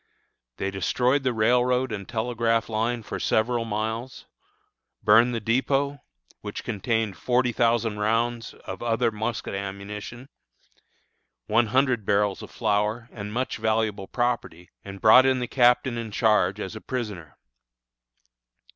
They destroyed the railroad and telegraph line for several miles, burned the dépôt, which contained forty thousand rounds of other musket ammunition, one hundred barrels of flour, and much valuable property, and brought in the Captain in charge as a prisoner.